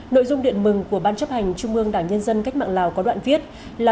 nội dung điện mừng của ban chấp hành trung ương đảng nhân dân cách mạng lào có đoạn viết là